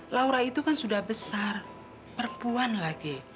laura itu kan sudah besar perempuan lagi